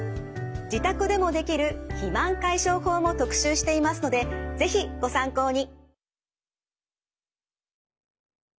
自宅でもできる肥満解消法も特集していますので是非ご参考に。